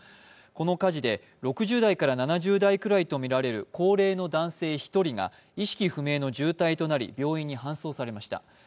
この火事で６０代から７０代くらいとみられる高齢の男性１人が意識不明の重体となり病院に搬送されました。